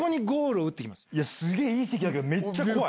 いや、すげえいい席だけど、めっちゃ怖い。